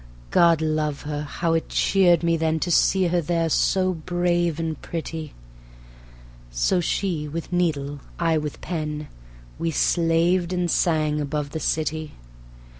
God love her! how it cheered me then To see her there so brave and pretty; So she with needle, I with pen, We slaved and sang above the city.